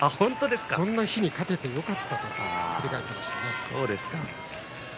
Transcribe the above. そんなに日に勝ててよかったですと振り返っていました。